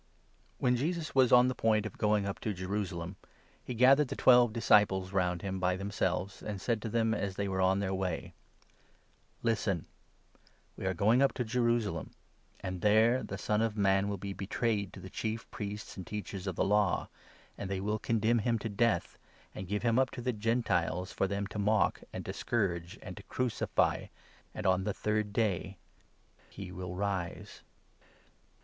When Jesus was on the point of going up to 17 a thje«Tt/me, Jerusalem, he gathered the twelve disciples round foretells him by themselves, and said to them as they were his Death. on t|lejr way ." Listen ! We are going up to Jerusalem ; and there the Son 18 of Man will be betrayed to the Chief Priests and Teachers of the Law, and they will condemn him to death, and give him 19 up to the Gentiles for them to mock, and to scourge, and to crucify ; and on the third day he will rise."